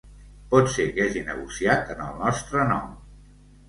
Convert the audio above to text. Pot ser que hagi negociat en el nostre nom.